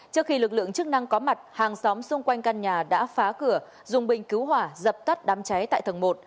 trước khi lực lượng chức năng có mặt hàng xóm xung quanh căn nhà đã phá cửa dùng bình cứu hỏa dập tắt đám cháy tại tầng một